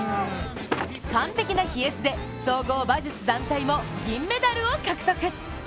完璧な飛越で総合馬術団体も銀メダルを獲得。